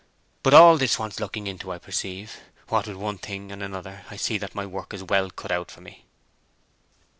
But all this wants looking into, I perceive. What with one thing and another, I see that my work is well cut out for me."